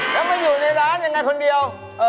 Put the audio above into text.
แล้วมาอยู่ในร้านยังไงคนเดียว